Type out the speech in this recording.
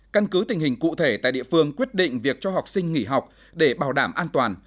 căn cứ tình hình cụ thể tại địa phương quyết định việc cho học sinh nghỉ học để bảo đảm an toàn